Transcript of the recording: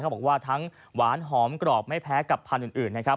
บอกว่าทั้งหวานหอมกรอบไม่แพ้กับพันธุ์อื่นนะครับ